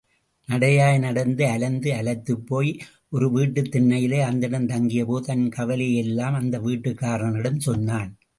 நடையாய் நடந்து, அலைந்து அலுத்துப்போய், ஒரு வீட்டுத் திண்ணையிலே அந்தணன் தங்கியபோது, தன் கவலையையெல்லாம் அந்த வீட்டுக்காரனிடம் சொன்னான்.